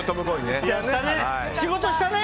仕事したね！